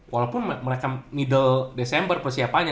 walaupun mereka middle desember persiapannya